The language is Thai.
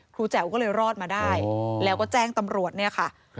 แจ๋วก็เลยรอดมาได้แล้วก็แจ้งตำรวจเนี่ยค่ะ